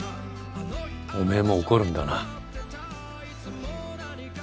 おめえも怒るんだな。